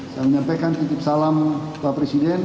saya menyampaikan titip salam pak presiden